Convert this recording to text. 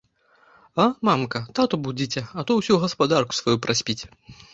А, мамка, тату будзіце, а то ўсю гаспадарку сваю праспіць.